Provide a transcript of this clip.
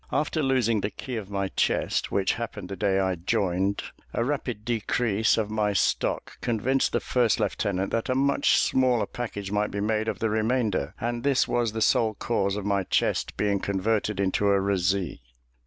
After losing the key of my chest, which happened the day I joined, a rapid decrease of my stock convinced the first lieutenant that a much smaller package might be made of the remainder, and this was the sole cause of my chest being converted into a razée.